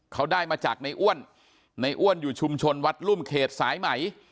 เขาได้มาจากในอ้วนในอ้วนอยู่ชุมชนวัดรุ่มเขตสายไหม